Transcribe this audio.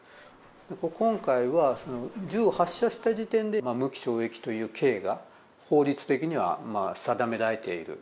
今回は、銃を発射した時点で、無期懲役という刑が、法律的には定められている。